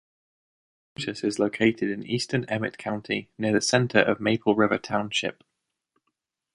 Brutus is located in eastern Emmet County, near the center of Maple River Township.